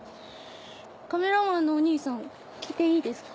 カメラマンのお兄さん来ていいですか？